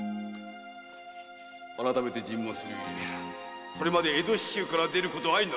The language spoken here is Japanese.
〔改めて尋問するゆえそれまで江戸市中から出ることは相ならぬ〕